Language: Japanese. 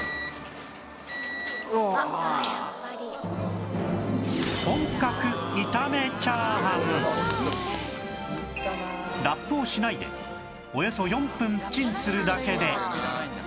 「あっやっぱり」ラップをしないでおよそ４分チンするだけで